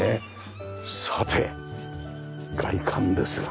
さて外観ですが。